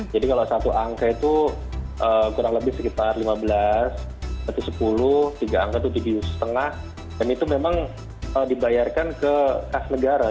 jadi kalau satu angka itu kurang lebih sekitar lima belas atau sepuluh tiga angka itu tujuh lima dan itu memang dibayarkan ke kas negara